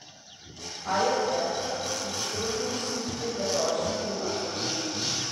Hayo Freitag ist Gründungsmitglied der Deutschen Filmakademie.